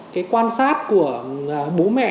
cái quan sát của bố mẹ